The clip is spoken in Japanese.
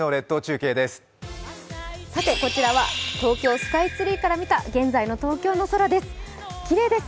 こちらは東京スカイツリーから見た現在の空です。